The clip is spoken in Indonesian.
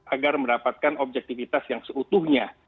agar mendapatkan objektivitas yang seutuhnya